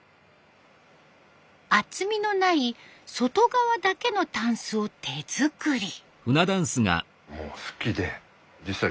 厚みのない外側だけの箪笥を手作り。